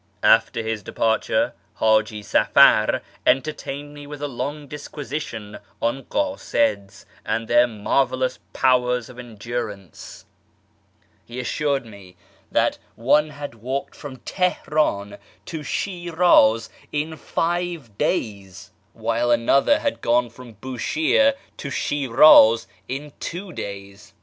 After his departure Haji Safar entertained me with a long disquisition on kdsids and their marvellous powers of endur ance. He assured me that one had walked from Teher; in to Shiraz in five days, while another had gone from Bushire 236 •/ yi :ar amongst the pfrs/ans to Shir:iz in two days.